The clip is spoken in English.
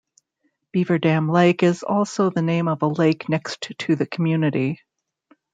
Beaverdam Lake is also the name of a lake next to the community.